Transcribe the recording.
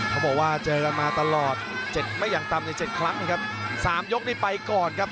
เขาบอกว่าเจอกันมาตลอดเจ็ดไม่อย่างต่ำในเจ็ดครั้งนะครับสามยกนี่ไปก่อนครับ